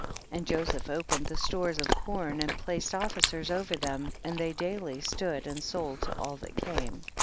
31. And Joseph opened the stores of corn and placed officers over them, and they daily stood and sold to all that came.